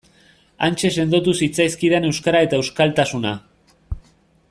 Hantxe sendotu zitzaizkidan euskara eta euskaltasuna.